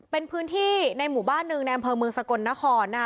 เป็นพื้นที่ในหมู่บ้านหนึ่งในอำเภอเมืองสกลนครนะคะ